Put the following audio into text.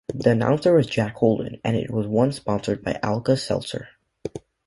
The announcer was Jack Holden and it was once sponsored by Alka-Seltzer.